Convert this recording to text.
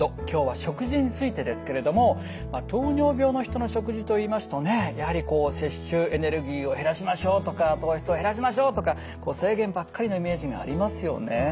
今日は食事についてですけれども糖尿病の人の食事といいますとねやはりこう摂取エネルギーを減らしましょうとか糖質を減らしましょうとかこう制限ばっかりのイメージがありますよね。